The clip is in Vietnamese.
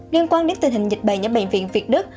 liên quan đến tình hình dịch bệnh ở bệnh viện việt đức